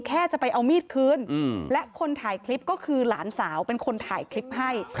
แค่จะไปเอามีดคืนและคนถ่ายคลิปก็คือหลานสาวเป็นคนถ่ายคลิปให้